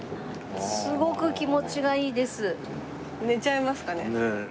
すごく気持ちがいいです。